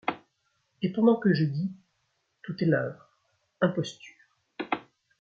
Et, pendant que je dis :— Tout est leurre, imposture.